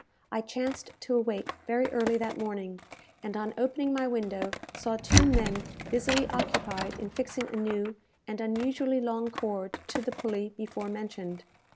I chanced to awake very early that morning, and on opening my window saw two men busily occupied in fixing a new and unusually long cord to the pulley before mentioned.